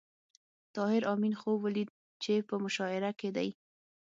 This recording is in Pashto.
طاهر آمین خوب ولید چې په مشاعره کې دی